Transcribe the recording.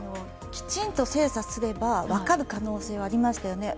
きちんと精査すれば分かる可能性はありましたよね。